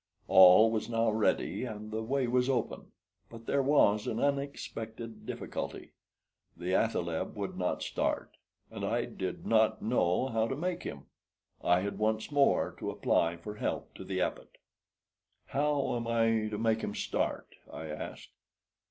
All was now ready and the way was open, but there was an unexpected difficulty the athaleb would not start, and I did not know how to make him. I had once more to apply for help to the Epet. "How am I to make him start?" I asked.